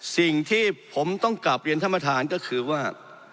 สิ่งที่ผมต้องการเปลี่ยนธรรมฐานก็คือว่า